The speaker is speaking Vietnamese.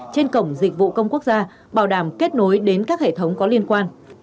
trên cổng dịch vụ công quốc gia bảo đảm kết nối đến các hệ thống có liên quan